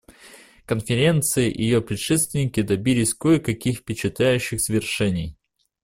Конференция и ее предшественники добились кое-каких впечатляющих свершений.